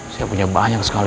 saya punya banyak sekali